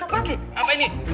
waduh apa ini